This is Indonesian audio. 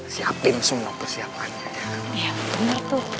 siapin semua persiapannya